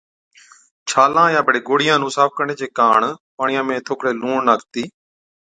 ڇالان يان بڙي گوڙهِيان نُون صاف ڪرڻي چي ڪاڻ پاڻِيان ۾ ٿوڪڙَي لُوڻ ناکتِي